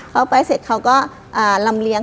เข้าไปเขาก็ลำเลี้ยง